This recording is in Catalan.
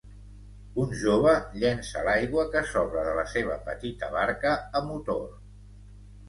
Un jove llença l'aigua que sobra de la seva petita barca a motor.